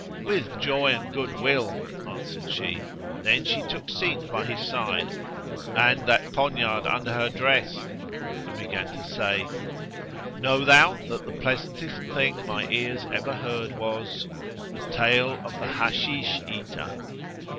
"With joy and good will," answered she; then she took seat by his side (and that poniard under her dress) and began to say: "Know thou that the pleasantest thing my ears ever heard was The Tale of the Hashish Eater.